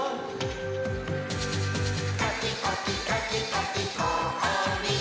「カキコキカキコキこ・お・り」